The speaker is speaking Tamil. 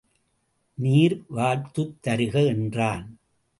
நீர் வார்த்துத் தருக என்றான்.